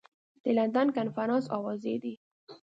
د لندن کنفرانس اوازې دي.